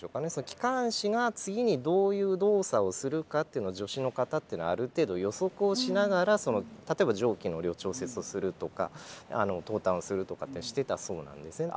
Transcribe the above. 機関士が次にどういう動作をするかっていうのを助士の方っていうのはある程度予測をしながら例えば蒸気の量を調節をするとか投炭をするとかってしてたそうなんですね。